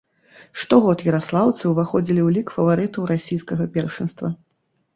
Штогод яраслаўцы ўваходзілі ў лік фаварытаў расійскага першынства.